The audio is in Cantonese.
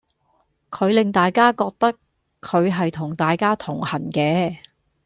佢令大家覺得佢係同大家同行嘅